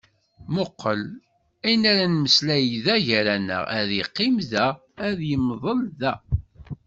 Muqel! Ayen ara nemmeslay da gar-aneɣ, ad yeqqim da, ad yemḍel da.